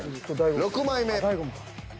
６枚目。